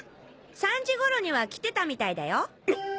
３時頃には来てたみたいだよ。